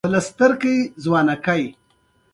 هغه د مالیاتو ورکول بند کړي وه.